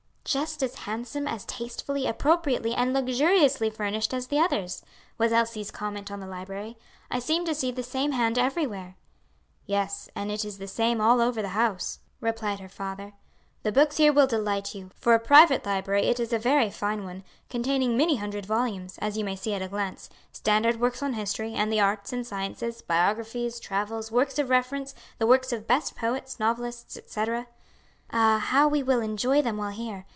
"Just as handsome, as tastefully, appropriately, and luxuriously furnished as the others," was Elsie's comment on the library. "I seem to see the same hand everywhere." "Yes, and it is the same all over the house," replied her father. "The books here will delight you; for a private library it is a very fine one, containing many hundred volumes, as you may see at a glance; standard works on history, and the arts and sciences, biographies, travels, works of reference, the works of the best poets, novelists, etc." "Ah, how we will enjoy them while here!